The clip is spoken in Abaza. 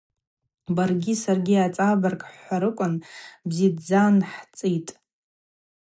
Баргьи саргьи, ацӏабырг хӏхӏварыквын, бзидздза нхӏцӏытӏ.